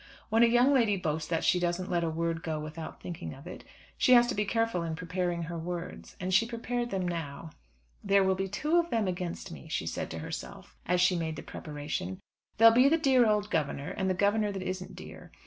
When a young lady boasts that she doesn't "let a word go without thinking of it," she has to be careful in preparing her words. And she prepared them now. "There will be two of them against me," she said to herself as she made the preparation. "There'll be the dear old governor, and the governor that isn't dear.